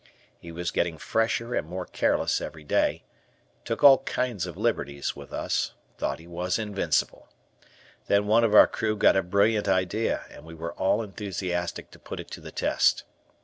He was getting fresher and more careless every day, took all kinds of liberties, with us, thought he was invincible. Then one of our crew got a brilliant idea and we were all enthusiastic to put it to the test.